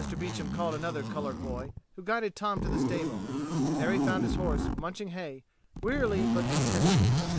Beecham called another colored boy, who guided Tom to the stable. There he found his horse munching hay, wearily but contentedly.